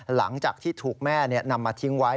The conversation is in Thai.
หลังจากที่ถูกแม่นำมาทิ้งไว้